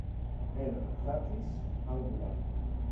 El raquis angular.